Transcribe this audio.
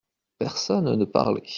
Personne ne parlait.